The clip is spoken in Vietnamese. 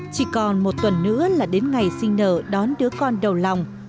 chỉ còn một tuần nữa là đến ngày sinh nở đón đứa con đầu lòng